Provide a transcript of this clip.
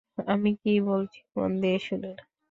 আমি কী বলছি মন দিয়ে শুনুন।